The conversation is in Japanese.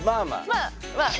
まあまあ